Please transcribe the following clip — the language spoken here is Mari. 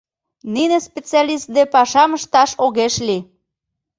Нине специалистде пашам ышташ огеш лий.